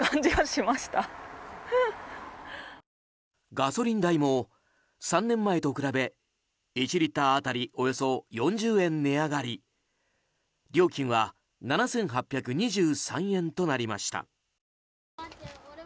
ガソリン代も３年前と比べ１リッター当たりおよそ４０円値上がり料金は７８２３円となりました。